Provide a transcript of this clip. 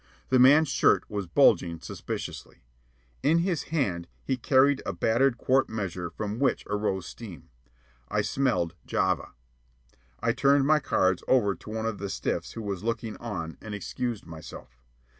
The man's shirt was bulging suspiciously. In his hand he carried a battered quart measure from which arose steam. I smelled "Java." I turned my cards over to one of the stiffs who was looking on, and excused myself.